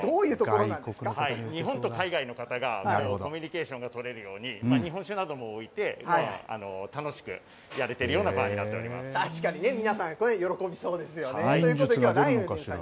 日本と海外の方がノミュニケーションが取れるように日本酒なども置いて楽しくやれてるようなバーに皆さん、喜びそうですよね。